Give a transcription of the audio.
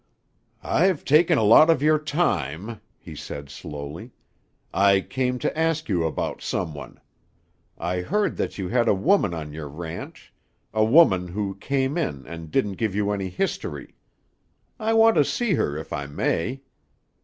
"I've taken a lot of your time," he said slowly. "I came to ask you about someone. I heard that you had a woman on your ranch, a woman who came in and didn't give you any history. I want to see her if I may."